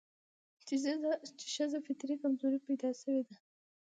چې ښځه فطري کمزورې پيدا شوې ده